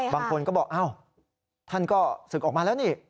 บางคนก็บอกอ้าวท่านก็ศึกออกมาแล้วนี่